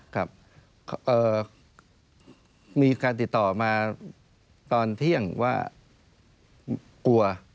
ครับมีการติดต่อมาตอนเที่ยงว่ากลัว